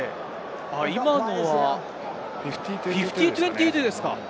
今のは５０：２２ですか？